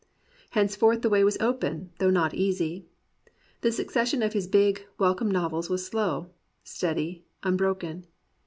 Henceforth the way was open, though not easy. The succession of his big, welcome novels was slow, steady, unbroken.